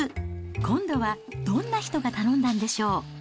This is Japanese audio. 今度はどんな人が頼んだんでしょう。